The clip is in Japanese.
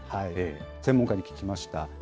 専門家に聞きました。